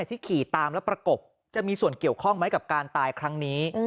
ที่ขี่ตามแล้วประกบจะมีส่วนเกี่ยวข้องไหมกับการตายครั้งนี้